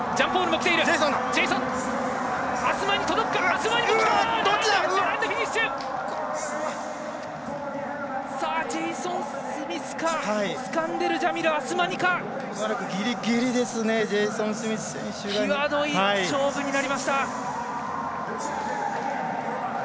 きわどい勝負になりました。